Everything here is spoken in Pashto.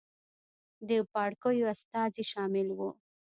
د پاړکیو استازي شامل وو.